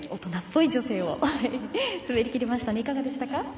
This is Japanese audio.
いかがでしたか？